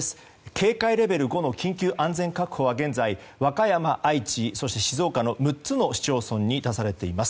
警戒レベル５の緊急安全確保は現在、和歌山、愛知、静岡の６つの市町村に出されています。